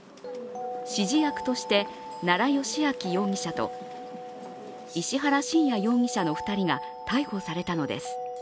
指示役として奈良幸晃容疑者と石原信也容疑者の２人が逮捕されたのです。